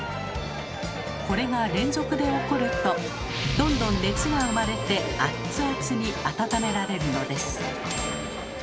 これが連続で起こるとどんどん熱が生まれてアッツアツに温められるのです。